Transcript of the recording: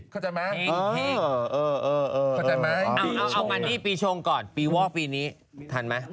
เข้าใจมั้ยเอามานี่ปีชงก่อนปีวอกปีนี้ทันมั้ย